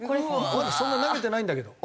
まだそんな投げてないんだけど。